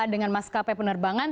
dengan maskapai penerbangan